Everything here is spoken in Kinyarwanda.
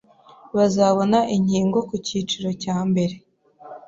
bazabona inkingo ku cyiciro cya mbere